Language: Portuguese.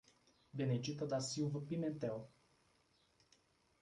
Benedita da Silva Pimentel